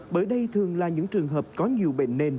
bởi đây thường là những trường hợp có nhiều bệnh nền